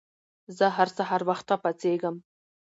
زه هر سهار وخته پاڅيږم